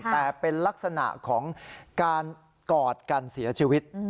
แต่เป็นลักษณะของการกอดกันเสียชีวิต